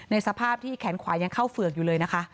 สภาพที่แขนขวายังเข้าเฝือกอยู่เลยนะคะ